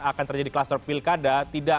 akan terjadi kelas terpilkada